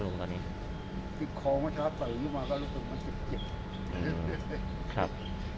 ปวดมือตรงไหนครับ